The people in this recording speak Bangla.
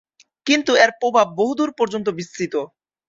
কিন্তু এর প্রভাব বহুদূর পর্যন্ত বিস্তৃত।